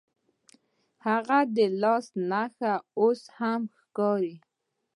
هغه د لاس نښه اوس هم ښکاري.